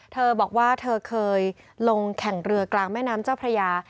เธอบอกว่าเธอเคยลงแข่งเรือกลางแม่น้ำเจ้าพระยา